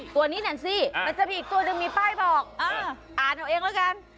นานซี่นานซี่มันจะมีอีกตัวด้วยมีป้ายบอกอ่าอ่านเอาเองแล้วกัน